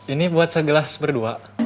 ini buat segelas berdua